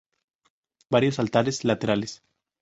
Varios altares laterales.